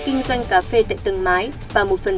kinh doanh cà phê tại tầng mái và một